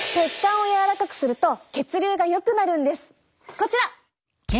こちら！